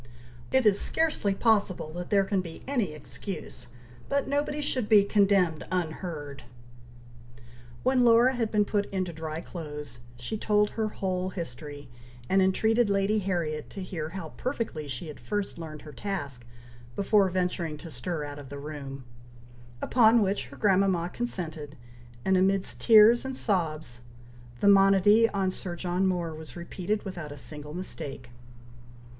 It is scarcely possible that there can be any excuse, but nobody should be condemned unheard." When Laura had been put into dry clothes, she told her whole history, and entreated Lady Harriet to hear how very perfectly she had first learned her task, before venturing to stir out of the room; upon which her grandmama consented, and amidst tears and sobs, the monody on Sir John Moore was repeated without a single mistake.